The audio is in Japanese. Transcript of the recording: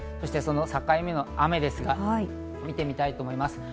その境目の雨ですが見てみたいと思います。